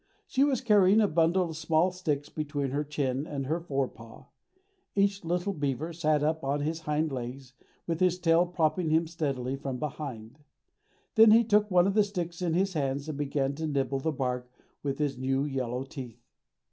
She was carrying a bundle of small sticks between her chin and her fore paw. Each little beaver sat up on his hind legs, with his tail propping him steady from behind. Then he took one of the sticks in his hands and began to nibble the bark with his new yellow teeth.